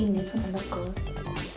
中。